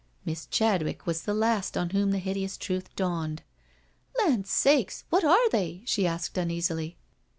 Miss Chadwick was the last on whom the hideous truth dawned. "Land's sakesi What are they?" she asked uneasily.